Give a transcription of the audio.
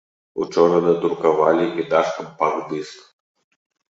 Учора надрукавалі і наш кампакт-дыск.